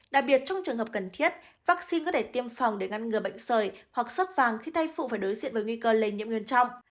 đặc biệt trong trường hợp cần thiết vaccine có thể tiêm phòng để ngăn ngừa bệnh sởi hoặc xuất vàng khi tay phụ phải đối diện với nguy cơ lây nhiễm nguyên trọng